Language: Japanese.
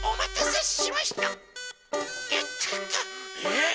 えっ？